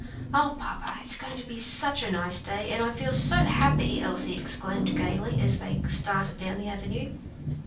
"O papa! it is going to be such a nice day, and I feel so happy!" Elsie gayly exclaimed, as they started down the avenue.